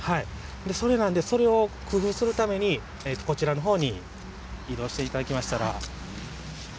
それを工夫するためにこちらのほうに移動していただきましたら。